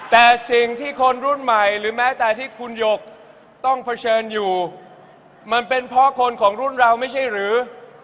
แต่สิ่งที่คนรุ่นใหม่หรือแม้แต่ที่คุณหยกต้องเผชิญอยู่มันเป็นเพราะคนของรุ่นเราไม่ใช่หรือ